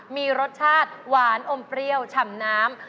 มีรสชาติหวานอมเปรี้ยวฉ่ำน้ำ